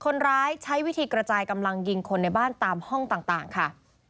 คนร้ายใช้วิธีกระจายกำลังยิงคนในบ้านตามห้องต่างค่ะ